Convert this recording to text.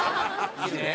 いいね。